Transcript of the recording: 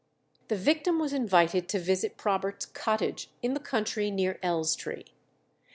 The victim was invited to visit Probert's cottage in the country near Elstree.